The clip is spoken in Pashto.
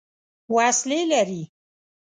وسلې لري.